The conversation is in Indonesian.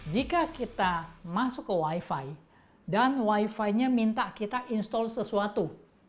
jika kita masuk ke wifi dan wifi nya minta kita install sesuatu